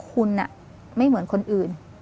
คุณไม่เหมือนคนอื่น